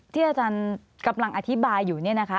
ที่อาจารย์กำลังอธิบายอยู่เนี่ยนะคะ